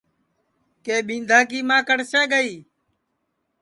کہ ٻِندھا کی کڑسے گئی